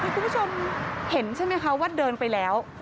คุณผู้ชมเห็นใช่ไหมคะว่าเดินไปแล้ว